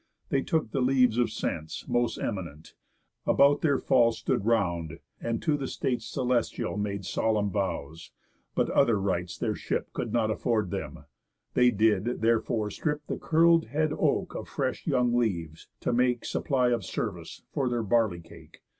They took the lives Of sence, most eminent; about their fall Stood round, and to the States Celestial Made solemn vows; but other rites their ship Could not afford them, they did, therefore, strip The curl'd head oak of fresh young leaves, to make Supply of service for their barley cake.